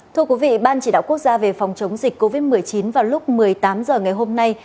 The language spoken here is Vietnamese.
thưa quý vị ban chỉ đạo quốc gia về phòng chống dịch covid một mươi chín vào lúc một mươi tám h ngày hôm nay